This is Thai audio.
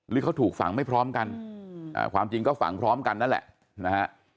เขาถูกฝังไม่พร้อมกันความจริงก็ฝังพร้อมกันนั่นแหละนะฮะ